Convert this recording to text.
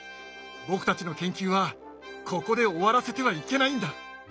僕たちの研究はここで終わらせてはいけないんだ。